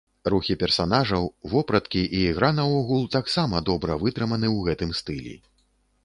Рухі персанажаў, вопраткі і ігра наогул таксама добра вытрыманы ў гэтым стылі.